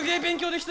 した！